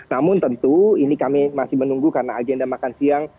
namun tentu ini kami masih menunggu karena agenda makan siang